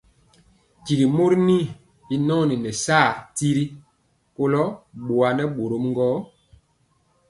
Tyigi mori y nɔni nɛ saa tiri kolo boa nɛ bórɔm gɔ.